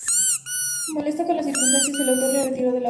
Molesto con la circunstancia el autor la retiró de la obra.